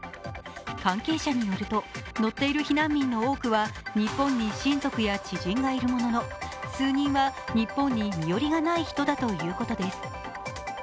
関係者によると乗っている避難民の多くは、日本に親族や知人がいるものの数人は日本に身寄りがない人だということです。